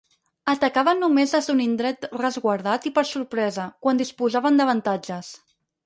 Atacaven només des d'un indret resguardat i per sorpresa, quan disposaven d'avantatges.